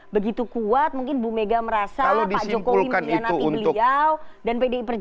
begitu kuat mungkin bu mega merasa pak jokowi mengkhianati beliau dan pdi perjuangan